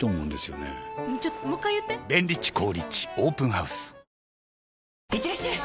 ハローいってらっしゃい！